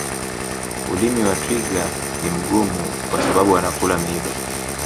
ulimi wa twiga ni mgumu kwa sababu anakula miiba